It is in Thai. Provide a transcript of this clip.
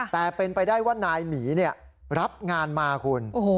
แต่เป็นไปได้ว่านายหมีรับงานมาคุณ